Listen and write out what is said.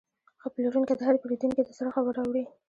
ښه پلورونکی د هر پیرودونکي د زړه خبره اوري.